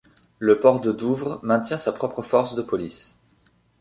Le port de Douvres maintient sa propre force de police.